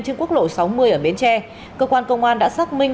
trên quốc lộ sáu mươi ở bến tre cơ quan công an đã xác minh